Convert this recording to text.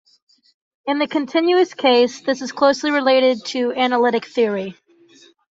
In the continuous case, this is closely related to analytic theory.